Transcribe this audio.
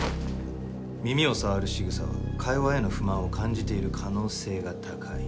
耳を触るしぐさは会話への不満を感じている可能性が高い。